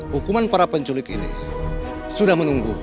hukuman para penculik ini sudah menunggu